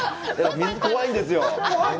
水、怖いんですよ。